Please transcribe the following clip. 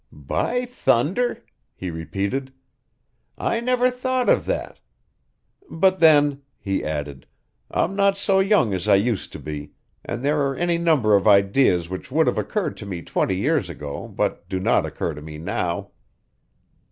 "By thunder!" he repeated. "I never thought of that! But then," he added, "I'm not so young as I used to be, and there are any number of ideas which would have occurred to me twenty years ago but do not occur to me now."